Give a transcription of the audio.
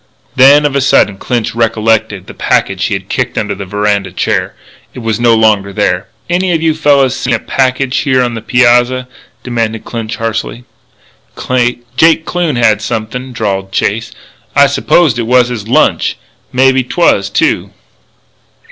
Then, of a sudden, Clinch recollected the packet which he had kicked under a veranda chair. It was no longer there. "Any o' you fellas seen a package here on the pyazza?" demanded Clinch harshly. "Jake Kloon, he had somethin'," drawled Chase. "I supposed it was his lunch. Mebbe 'twas, too."